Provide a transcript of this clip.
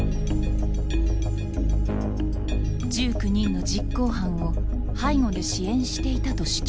１９人の実行犯を背後で支援していたと主張。